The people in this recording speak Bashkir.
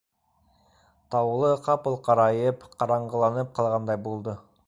Таулы ҡапыл ҡарайып, ҡараңғыланып ҡалғандай булды.